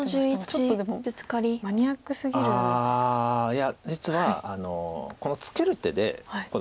いや実はこのツケる手で。